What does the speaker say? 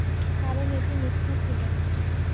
কারণ এটি মিথ্যা ছিল।